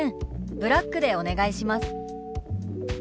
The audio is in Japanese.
ブラックでお願いします」。